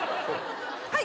はい！